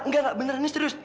enggak gak beneran ini serius